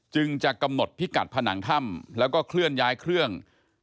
จึงจะกำหนดพิกัดผนังถ้ำแล้วก็เคลื่อนย้ายเครื่อง